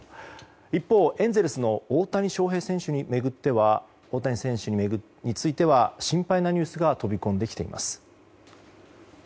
一方、エンゼルスの大谷翔平選手については心配なニュースが飛び込んできています。